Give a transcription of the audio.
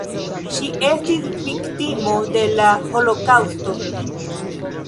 Ŝi estis viktimo de la holokaŭsto.